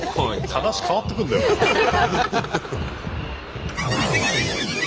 話変わってくるんだよな。